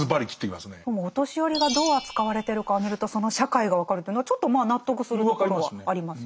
でもお年寄りがどう扱われてるかを見るとその社会が分かるというのはちょっとまあ納得するところはありますよね。